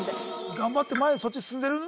頑張って前へそっち進んでる？